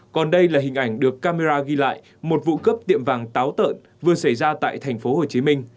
còn đây là hình ảnh được camera ghi lại một vụ cấp tiệm vàng táo tợn vừa xảy ra tại tp hcm